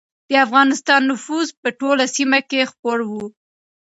د افغانستان نفوذ په ټوله سیمه کې خپور و.